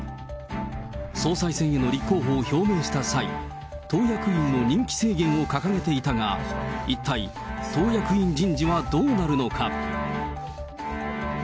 総裁選への立候補を表明した際、党役員の任期制限を掲げていたが、一体、党役員人事はどうなるのか。